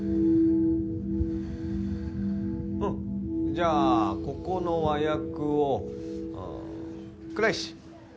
じゃあここの和訳を倉石。